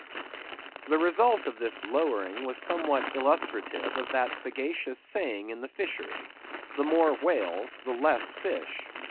The result of this lowering was somewhat illustrative of that sagacious saying in the Fishery,—the more whales the less fish.